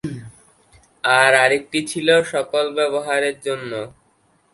আর আরেকটি ছিল সকল ব্যবহারের জন্য।